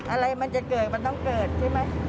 อะไรมันจะเกิดมันต้องเกิดใช่ไหม